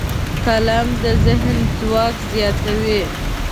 قلم د ذهن ځواک زیاتوي